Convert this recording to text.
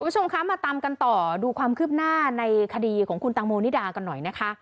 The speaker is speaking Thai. คุณผู้ชมคะมาตามกันต่อดูความคืบหน้าในคดีของคุณตังโมนิดากันหน่อยนะคะ